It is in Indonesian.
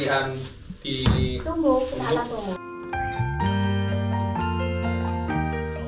tunggu kita akan tunggu